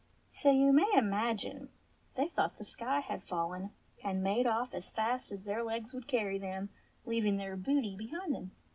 As you may imagine, they thought the sky had fallen, and made off as fast as their legs would carry them, leaving their booty behind them.